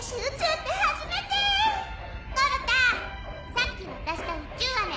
さっき渡した宇宙アメ。